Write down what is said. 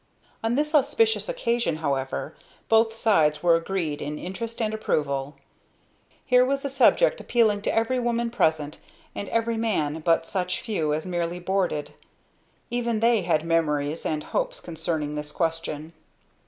On this auspicious occasion, however, both sides were agreed in interest and approval. Here was a subject appealing to every woman present, and every man but such few as merely "boarded"; even they had memories and hopes concerning this question.